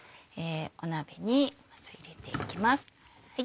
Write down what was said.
鍋にまず入れていきます。